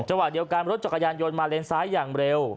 จวะเดียวกันรถจักรยานยนต์มาเลนซ้ายอย่างเร็ว